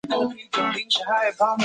伊丽莎白的童年主要在柴郡度过。